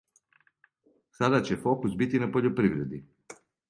Сада ће фокус бити на пољопривреди.